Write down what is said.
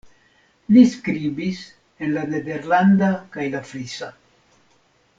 Li skribis en la nederlanda kaj la frisa.